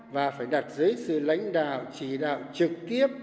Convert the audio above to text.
và phải đặt dưới sự lãnh đạo chỉ đạo trực tiếp